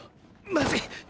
まずい！！